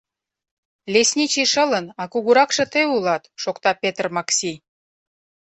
— Лесничий шылын, а кугуракше тый улат! — шокта Петр Макси.